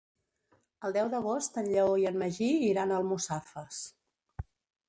El deu d'agost en Lleó i en Magí iran a Almussafes.